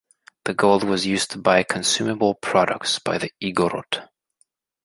The gold was used to buy consumable products by the Igorot.